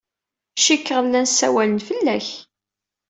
Cikkeɣ llan ssawalen fell-ak.